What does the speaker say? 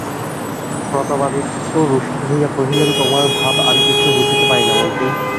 প্রতাপাদিত্য রুষ্ট হইয়া কহিলেন, তোমার ভাব আমি কিছুই বুঝিতে পারি না মন্ত্রী।